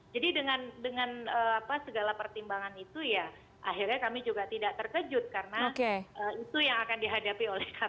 jadi dengan segala pertimbangan itu ya akhirnya kami juga tidak terkejut karena itu yang akan dihadapi oleh kpu